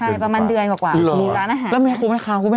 ใช่ประมาณเดือนกว่ากว่ามีร้านอาหารแล้วแม่กูไม่คาวกูไม่